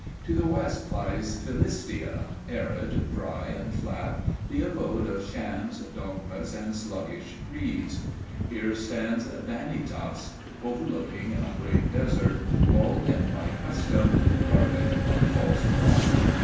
To the west lies Philistia, arid, dry and flat, the abode of shams, dogmas and sluggish creeds. Here stands Vanitas, overlooking a great desert, walled in by custom, guarded by false pride.